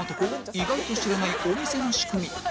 意外と知らないお店の仕組み